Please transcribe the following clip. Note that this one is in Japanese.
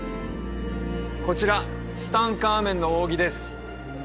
こちらツタンカーメンの扇です